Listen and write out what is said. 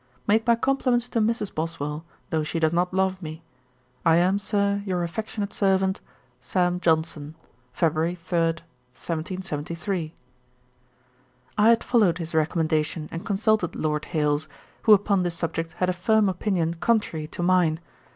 'Make my compliments to Mrs. Boswell, though she does not love me. 'I am, Sir, 'Your affectionate servant, 'SAM. JOHNSON. 'Feb. 3, 1773' I had followed his recommendation and consulted Lord Hailes, who upon this subject had a firm opinion contrary to mine.